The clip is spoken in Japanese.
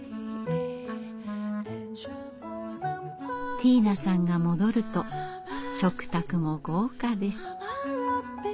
ティーナさんが戻ると食卓も豪華です。